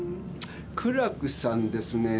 苦楽さんですねえ